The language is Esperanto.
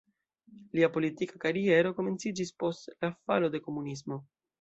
Lia politika kariero komenciĝis post la falo de komunismo.